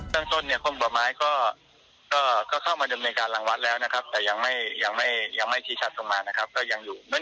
ทั่งส้นคนบุคคลก็เข้ามากับการหลังวัดแล้วแต่ยังไม่ชี้ชัดนะครับ